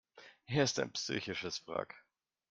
Er ist ein psychisches Wrack.